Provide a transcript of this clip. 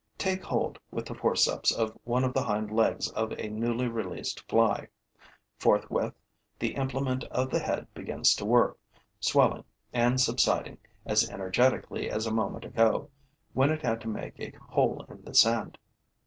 Take hold with the forceps of one of the hind legs of a newly released fly. Forthwith, the implement of the head begins to work, swelling and subsiding as energetically as a moment ago, when it had to make a hole in the sand.